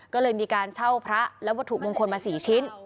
ก็เลยมีการเช่าพระและวัตถุมงคลมา๔ชิ้น